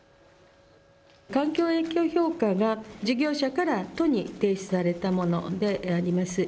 環境影響評価が事業者から都に提出されたものであります。